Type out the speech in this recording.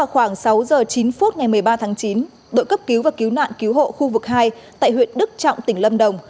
khoảng sáu giờ chín phút ngày một mươi ba tháng chín đội cấp cứu và cứu nạn cứu hộ khu vực hai tại huyện đức trọng tỉnh lâm đồng